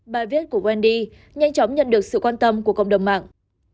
bài viết của wendy nhanh chóng nhận được sự quan tâm của cộng đồng mạng